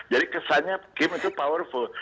jadi kesannya kim itu powerful